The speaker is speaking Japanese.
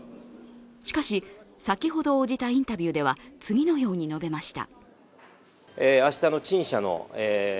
しかし、先ほど応じたインタビューでは次のように述べました。